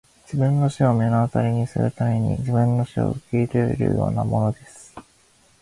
自分の死を目の当たりにするために自分の死を受け入れるようなものです!